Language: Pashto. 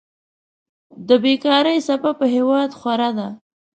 د بيکاري څپه په هېواد خوره ده.